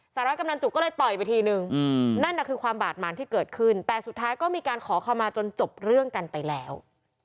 สาระกำนันจุกก็เลยต่อยไปทีนึงนั่นน่ะคือความบาดหมางที่เกิดขึ้นแต่สุดท้ายก็มีการขอเข้ามาจนจบเรื่องกันไปแล้ว